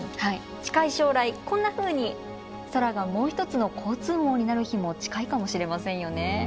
近い将来こんなふうに空がもう一つの交通網になる日も近いかもしれませんよね。